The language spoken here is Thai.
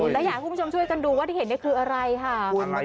และอยากให้คุณผู้ชมช่วยกันดูว่าที่เห็นนี่คืออะไรค่ะ